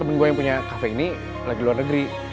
temen gue yang punya kafe ini lagi luar negeri